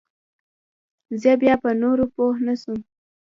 زه بيا په نورو پوه نسوم.